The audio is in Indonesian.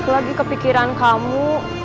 lagi kepikiran kamu